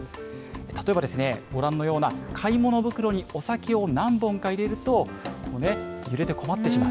例えばご覧のような買い物袋にお酒を何本か入れると、揺れて困ってしまう。